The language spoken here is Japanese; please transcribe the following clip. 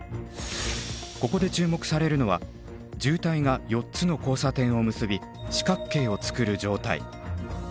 ここで注目されるのは渋滞が４つの交差点を結び四角形を作る状態。